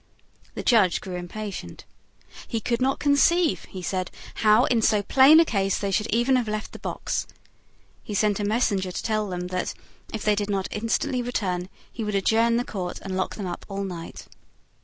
The judge grew impatient. He could not conceive, he said, how, in so plain a case, they should even have left the box. He sent a messenger to tell them that, if they did not instantly return, he would adjourn the court and lock them up all night.